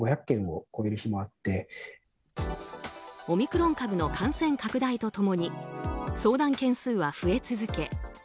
オミクロン株の感染拡大と共に相談件数は増え続け